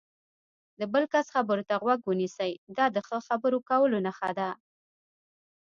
د بل کس خبرو ته غوږ ونیسئ، دا د ښه خبرو کولو نښه ده.